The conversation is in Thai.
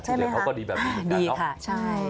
ใช่ไหมคะดีค่ะใช่